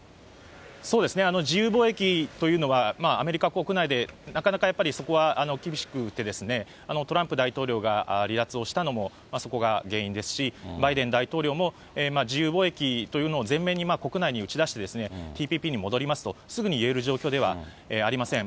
自由貿易というのは、アメリカ国内でなかなかやっぱり、そこは厳しくてですね、トランプ大統領が離脱をしたのもそこが原因ですし、バイデン大統領も自由貿易というのを前面に国内に打ち出して、ＴＰＰに戻りますと、すぐに言える状況ではありません。